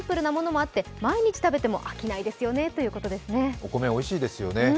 お米、おいしいですよね。